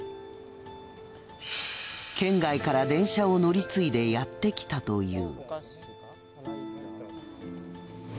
県外から電車を乗り継いでやってきたという。